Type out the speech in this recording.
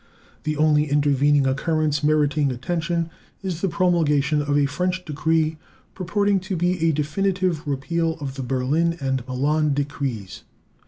The only intervening occurrence meriting attention is the promulgation of a French decree purporting to be a definitive repeal of the Berlin and Milan decrees.